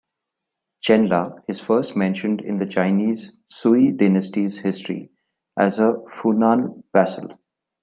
Chenla is first mentioned in the Chinese Sui dynasty's history as a Funan vassal.